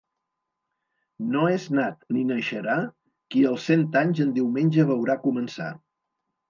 No és nat ni naixerà qui els cent anys en diumenge veurà començar.